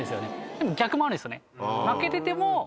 でも逆もあるんですよね。